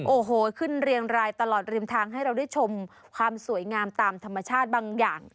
โอ้โหขึ้นเรียงรายตลอดริมทางให้เราได้ชมความสวยงามตามธรรมชาติบางอย่าง